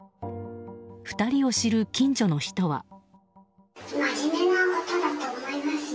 ２人を知る近所の人は。